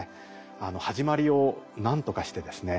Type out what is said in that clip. はじまりをなんとかしてですね